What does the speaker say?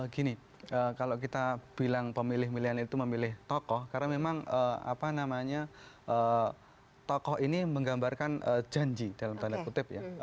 gini kalau kita bilang pemilih pemilihan itu memilih tokoh karena memang apa namanya tokoh ini menggambarkan janji dalam tanda kutip ya